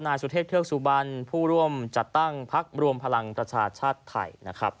นายสุเทพเทือกสุบันผู้ร่วมจัดตั้งพักรวมพลังประชาชาติไทยนะครับ